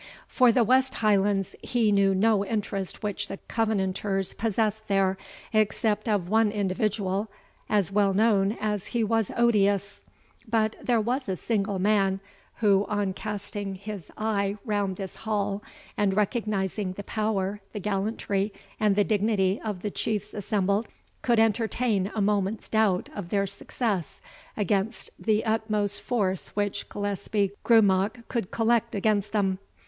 For the West Highlands, he knew no interest which the Covenanters possessed there, except that of one individual, as well known as he was odious. But was there a single man, who, on casting his eye round this hall, and recognising the power, the gallantry, and the dignity of the chiefs assembled, could entertain a moment's doubt of their success against the utmost force which Gillespie Grumach could collect against them?